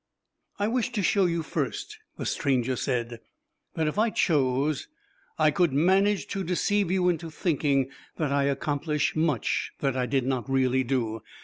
"I wish to show you first," the stranger said, "that if I chose, I could manage to deceive you into thinking that I accomplished much that I did not really do.